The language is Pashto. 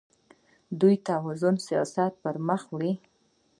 دوی د توازن سیاست پرمخ وړي.